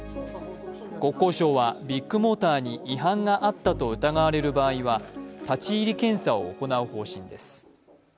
国交省はビッグモーターに違反があったと疑われる場合は立ち入り検査を行う方針です。